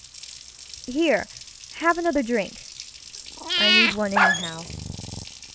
HereŌĆöhave another drinkŌĆöI need one anyhow!